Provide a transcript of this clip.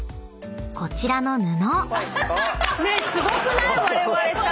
［こちらの布］